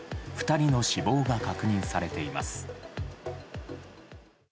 ２人の死亡が確認されています。